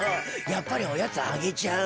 やっぱりおやつあげちゃう。